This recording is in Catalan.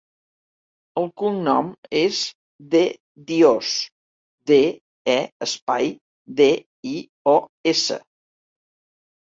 El cognom és De Dios: de, e, espai, de, i, o, essa.